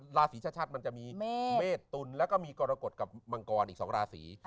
ราศีชัดมันจะมีเมฆตุลแล้วก็มีกรกฎกับมังกรอีก๒ราศี